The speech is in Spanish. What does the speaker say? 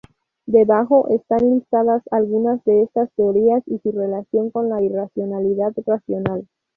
Debajo están listadas algunas de estas teorías y su relación con la irracionalidad racional.